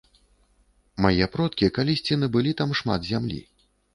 Мае продкі калісьці набылі там шмат зямлі.